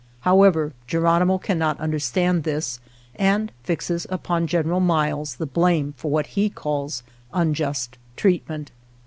However, Geronimo can not understand this and fixes upon General Miles the blame for what he calls unjust treatment.